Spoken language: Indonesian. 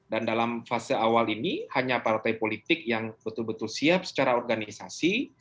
dan dalam fase awal ini hanya partai politik yang betul betul siap secara organisasi